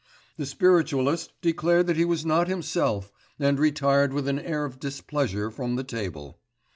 The spiritualist declared that he was not himself, and retired with an air of displeasure from the table.